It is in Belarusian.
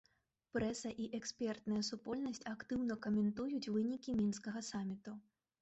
Прэса і экспертная супольнасць актыўна каментуюць вынікі мінскага саміту.